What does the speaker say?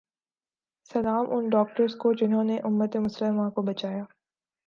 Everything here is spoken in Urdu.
سلام ان ڈاکٹرز کو جہنوں نے امت مسلماں کو بچایا